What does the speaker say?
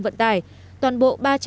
vận tải toàn bộ ba trăm bảy mươi